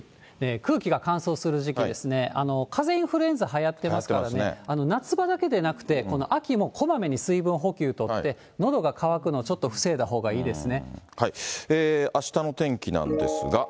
空気が乾燥する時期ですね、かぜ、インフルエンザはやってますから、夏場だけでなくて、この秋もこまめに水分補給とって、のどが渇くのをちょっと防いだほあしたの天気なんですが。